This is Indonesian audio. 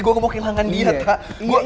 gue gak mau kehilangan dia tak